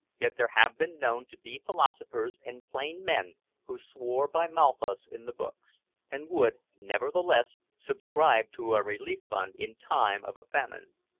Yet there have been known to be philosophers and plain men who swore by Malthus in the books, and would, nevertheless, subscribe to a relief fund in time of a famine.